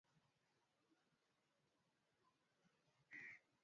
Mimi nimeshakwambia kubali uwache